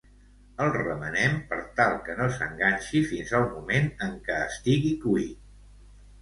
El remenem per tal que no s'enganxi fins el moment en què estigui cuit.